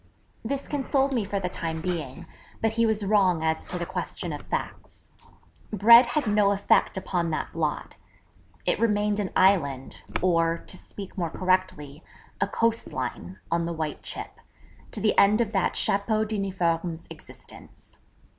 This consoled me for the time being: but he was wrong as to the question of facts. Bread had no effect upon that blot. It remained an island, or, to speak more correctly, a coast line, on the white chip, to the end of that chapeau d'uniforme's existence.